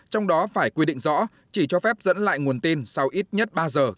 trong đó phải quy định rõ chỉ cho phép dẫn lại nguồn tin sau ít nhất ba giờ